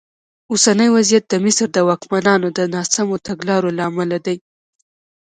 اوسنی وضعیت د مصر د واکمنانو د ناسمو تګلارو له امله دی.